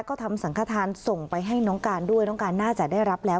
ก็ทำสังขทานส่งไปให้น้องการด้วยน้องการน่าจะได้รับแล้ว